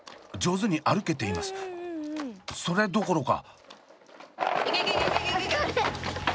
それどころか。